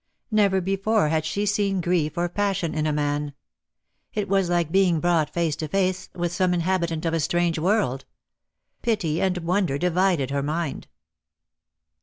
Never before had she seen grief or passion in a man. It was like being brought face to face with some inhabitant of a strange world. Pity and wonder divided her mind.